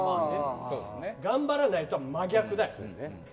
頑張らないとは真逆だよね。